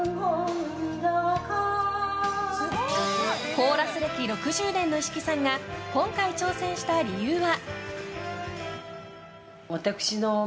コーラス歴６０年の石木さんが今回挑戦した理由は。